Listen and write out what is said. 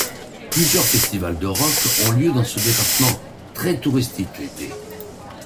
Plusieurs festivals de rock ont lieu dans ce département très touristique l'été.